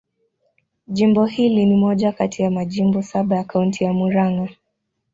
Jimbo hili ni moja kati ya majimbo saba ya Kaunti ya Murang'a.